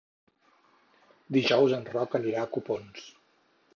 Dijous en Roc anirà a Copons.